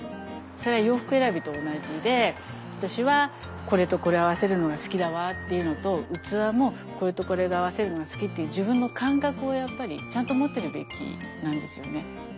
それは洋服選びと同じで私はこれとこれ合わせるのが好きだわっていうのと器もこれとこれで合わせるのが好きっていう自分の感覚をやっぱりちゃんと持ってるべきなんですよね。